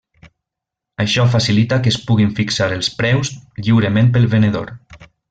Això facilita que es puguin fixar els preus lliurement pel venedor.